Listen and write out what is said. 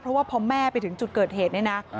เพราะว่าพอแม่ไปถึงจุดเกิดเหตุเนี่ยนะ